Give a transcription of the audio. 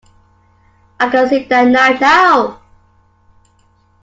I can see that knife now.